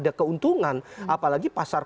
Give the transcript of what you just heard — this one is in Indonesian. ada keuntungan apalagi pasar